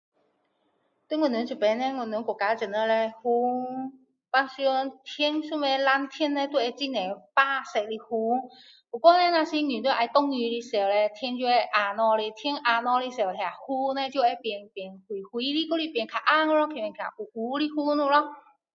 在我们这边叻我们国家这里叻云平常天上面蓝色叻就会很多白色的云不过叻若是要遇到下雨时叻天就要暗下来天要暗下来的时候云叻就会变灰灰的还是变较暗咯还是变黑黑的云了咯